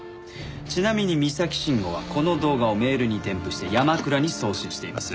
ちなみに三崎慎吾はこの動画をメールに添付して山倉に送信しています。